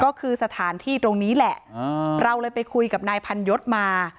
ก็คือสถานที่ตรงนี้แหละเราเลยไปคุยกับนายพันยศมา